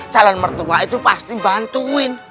calon mertua itu pasti bantuin